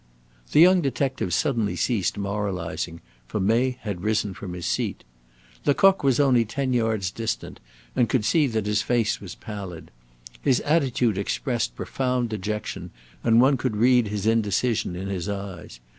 The young detective suddenly ceased moralizing, for May had risen from his seat. Lecoq was only ten yards distant, and could see that his face was pallid. His attitude expressed profound dejection and one could read his indecision in his eyes.